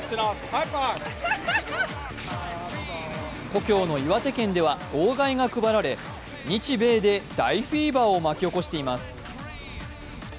故郷の岩手県では、号外が配られ、日米で大フィーバーを巻き起こしています。